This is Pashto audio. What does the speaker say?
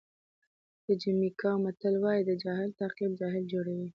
د جمیکا متل وایي د جاهل تعقیب جاهل جوړوي.